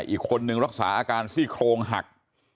อีกคนนึงรักษาอาการซี่โครงหัก